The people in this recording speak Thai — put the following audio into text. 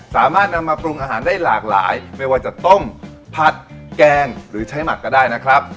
สามารถนำมาปรุงอาหารได้หลากหลายไม่ว่าจะต้มผัดแกงหรือใช้หมักก็ได้นะครับ